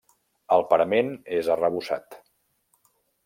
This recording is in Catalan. El parament és arrebossat.